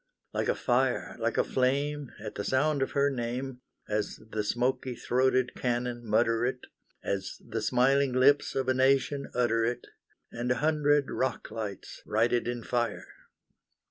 Like a fire, like a flame, At the sound of her name, As the smoky throated cannon mutter it, As the smiling lips of a nation utter it, And a hundred rock lights write it in fire!